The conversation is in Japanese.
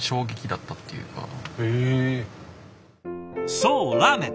そうラーメン。